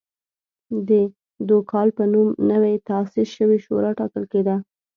د دوکال په نوم نوې تاسیس شوې شورا ټاکل کېده